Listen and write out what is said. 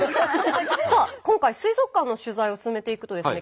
さあ今回水族館の取材を進めていくとですね